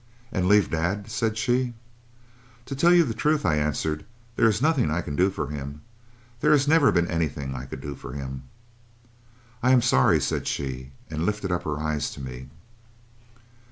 "'And leave Dad?' said she. "'To tell you the truth,' I answered, 'there is nothing I can do for him. There has never been anything I could do for him.' "'I am sorry,' said she, and lifted up her eyes to me.